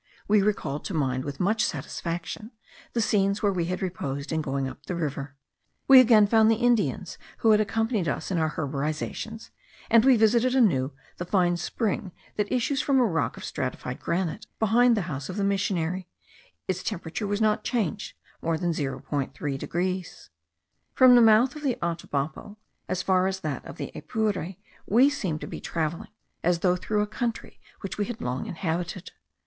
We recalled to mind, with much satisfaction, the scenes where we had reposed in going up the river. We again found the Indians who had accompanied us in our herborizations; and we visited anew the fine spring that issues from a rock of stratified granite behind the house of the missionary: its temperature was not changed more than 0.3 degrees. From the mouth of the Atabapo as far as that of the Apure we seemed to be travelling as through a country which we had long inhabited.